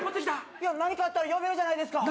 いや何かあったら呼べるじゃないですか何？